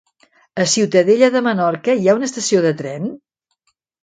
A Ciutadella de Menorca hi ha estació de tren?